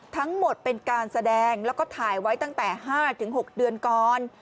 ทั้งหมดเป็นการแสดงแล้วก็ถ่ายไว้ตั้งแต่๕๖เดือนก่อน